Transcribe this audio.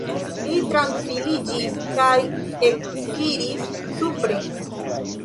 Li trankviliĝis kaj ekiris supren.